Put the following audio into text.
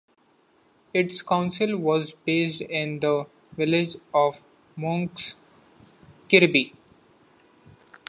Its council was based in the village of Monks Kirby.